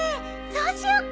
そうしよっか。